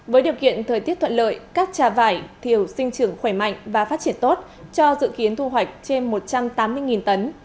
với điều kiện thời tiết thuận lợi các trà vải thiều sinh trưởng khỏe mạnh và phát triển tốt cho dự kiến thu hoạch trên một trăm tám mươi tấn